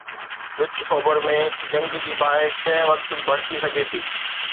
وچ اوڀر ۾ جنگ جي باهه ڪنهن به وقت ڀڙڪي سگهي ٿي.